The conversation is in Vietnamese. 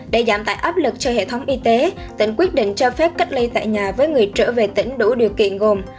để giảm tải áp lực cho hệ thống y tế tỉnh quyết định cho phép cách ly tại nhà với người trở về tỉnh đủ điều kiện gồm